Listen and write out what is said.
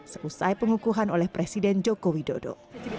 seusai pengukuhan oleh presiden joko widodo